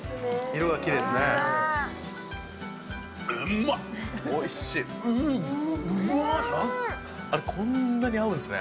色がきれいですね。